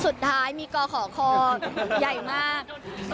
สุดท้ายมีกอขอคอใหญ่มาก